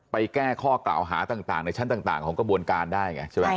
แก้ข้อกล่าวหาต่างในชั้นต่างของกระบวนการได้ไงใช่ไหม